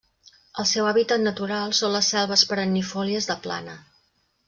El seu hàbitat natural són les selves perennifòlies de plana.